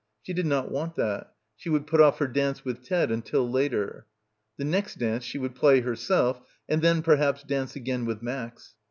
She did not want that. She would put off her dance with Ted until later. The next dance she would play herself and then perhaps dance again with Max.